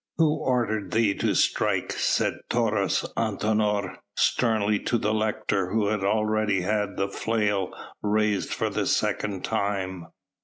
"Who ordered thee to strike?" said Taurus Antinor sternly to the lictor who already had the flail raised for the second time.